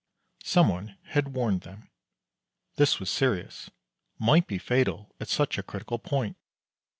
Some one had warned them. This was serious; might be fatal at such a critical point.